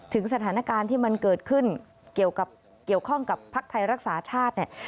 ถึงสถานการณ์ที่มันเกิดขึ้นเกี่ยวข้องกับภาคไทยรักษาชาติเนี่ย